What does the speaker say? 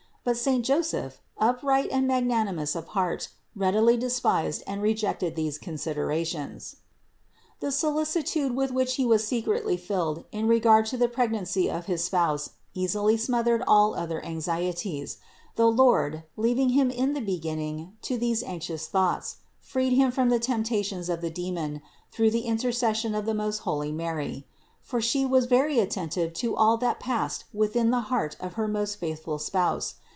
But saint Joseph, upright and magnanimous of heart, readily despised and rejected such considerations. The solici tude with which he was secretly filled in regard to the 296 CITY OF GOD pregnancy of his Spouse easily smothered all other anx ieties. The Lord, leaving him in the beginning to these anxious thoughts, freed him from the temptations of the demon through the intercession of the most holy Mary. For She was very attentive to all that passed within the heart of her most faithful spouse.